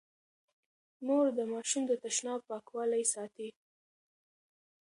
مور د ماشوم د تشناب پاکوالی ساتي.